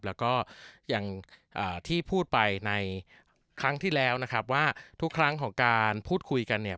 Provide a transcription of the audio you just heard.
แล้วก็อย่างที่พูดไปในครั้งที่แล้วนะครับว่าทุกครั้งของการพูดคุยกันเนี่ย